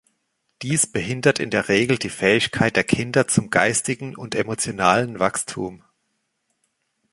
Dies behindert in der Regel die Fähigkeit der Kinder zum geistigen und emotionalen Wachstum.